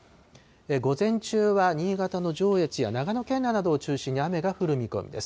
午前中は新潟の上越や長野県内などを中心に雨が降る見込みです。